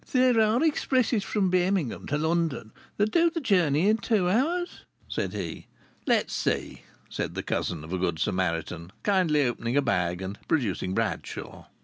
"There are expresses from Birmingham to London that do the journey in two hours," said he. "Let us see," said the cousin of a Good Samaritan, kindly, opening a bag and producing Bradshaw.